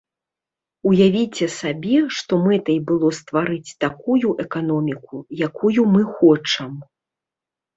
Уявіце сабе, што мэтай было стварыць такую эканоміку, якую мы хочам.